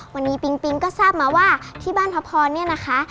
วันนี้ปิ๊งปิ๊งก็ทราบมาว่าที่บ้านพระพรเนี่ยนะคะ